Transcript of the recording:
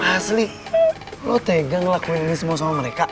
asli lo tega ngelakuin ini semua sama mereka